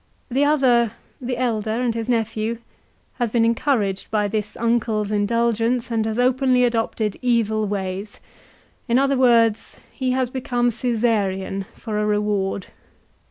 The other, the elder and his nephew, has been encouraged by this uncle's indulgence, and has openly adopted evil ways. In other words, he has become Caesarian, for a reward.